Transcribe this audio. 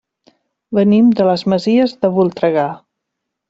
Venim de les Masies de Voltregà.